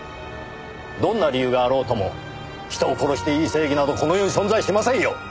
どんな理由があろうとも人を殺していい正義などこの世に存在しませんよ！